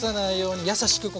優しくね。